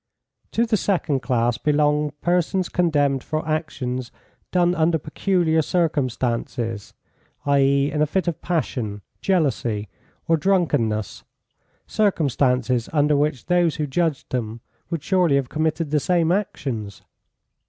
To the second class belong persons condemned for actions done under peculiar circumstances, i.e., in a fit of passion, jealousy, or drunkenness, circumstances under which those who judged them would surely have committed the same actions.